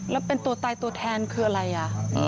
แล้วเป็นตัวตายตัวแทนคืออะไรอ่ะ